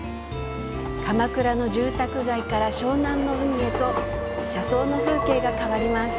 鎌倉の住宅街から湘南の海へと車窓の風景が変わります。